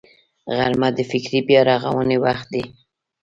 غرمه د فکري بیا رغونې وخت دی